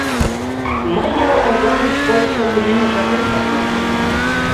Мый ял озанлык школышто тунемме жапем шарналтышым.